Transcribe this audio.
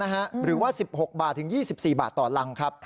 หรือว่า๑๖บาทถึง๒๔บาทต่อรังครับ